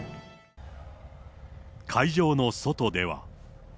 会場の外では。